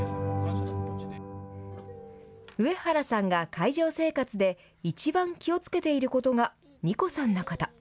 上原さんが海上生活で一番気をつけていることが虹子さんのこと。